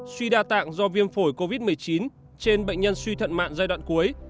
suy đa tạng do viêm phổi covid một mươi chín trên bệnh nhân suy thận mạng giai đoạn cuối